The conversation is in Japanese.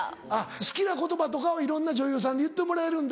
好きな言葉とかをいろんな女優さんに言ってもらえるんだ。